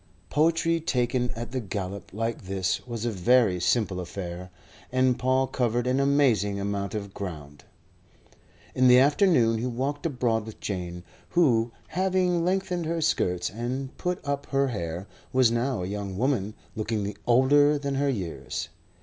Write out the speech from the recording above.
Poetry taken at the gallop like this was a very simple affair, and Paul covered an amazing amount of ground. In the afternoon he walked abroad with Jane, who, having lengthened her skirts and put up her hair, was now a young woman looking older than her years.